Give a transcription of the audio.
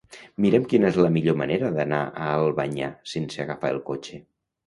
Mira'm quina és la millor manera d'anar a Albanyà sense agafar el cotxe.